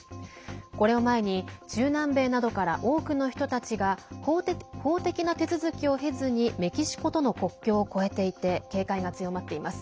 これを前に中南米などから多くの人たちが法的な手続きを経ずにメキシコとの国境を越えていて警戒が強まっています。